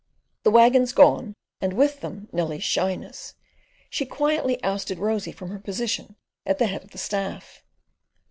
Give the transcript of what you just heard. The waggons gone, and with them Nellie's shyness, she quietly ousted Rosy from her position at the head of the staff.